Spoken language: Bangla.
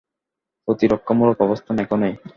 প্রতিরক্ষামূলক অবস্থান, এখনই!